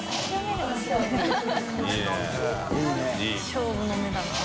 勝負の目だな。